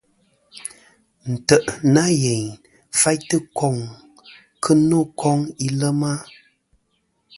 Ntè' nâ yèyn faytɨ koŋ kɨ no koŋ ilema.